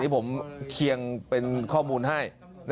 ผมเคียงเป็นข้อมูลให้